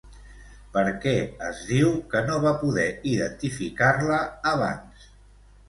Per què es diu que no va poder identificar-la abans?